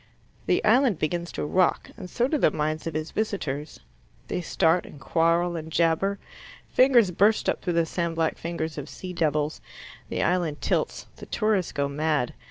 The island begins to rock, and so do the minds of its visitors. They start and quarrel and jabber. Fingers burst up through the sand black fingers of sea devils. The island tilts. The tourists go mad.